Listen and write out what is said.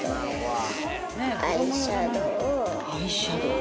アイシャドウ。